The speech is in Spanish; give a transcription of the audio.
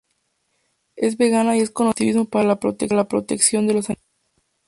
Es vegana y es conocido su activismo para la protección de los animales.